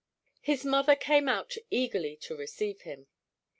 His mother came out eagerly to receive him.